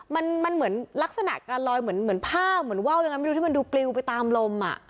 มันเหมือนลักษณะการลอยเหมือนผ้าเหมือนเว้ายังงั้นไม่ดูที่มันดูปลิวไปตามลม